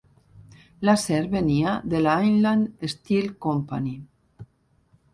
L'acer venia de la Inland Steel Company.